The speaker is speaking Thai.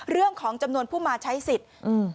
เรื่องของจำนวนผู้มาใช้สิทธิ์อืม